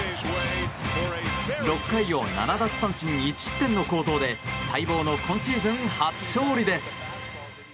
６回を７奪三振１失点の好投で待望の今シーズン初勝利です。